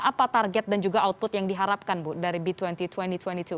apa target dan juga output yang diharapkan bu dari b dua puluh dua ribu dua puluh itu